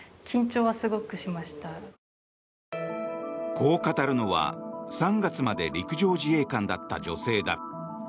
こう語るのは３月まで陸上自衛官だった女性だ。